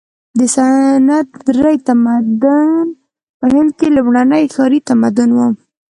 د سند درې تمدن په هند کې لومړنی ښاري تمدن و.